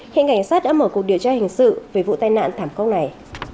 khiến cảnh sát đã mở cuộc điều tra hình sự về vụ tai nạn thảm công này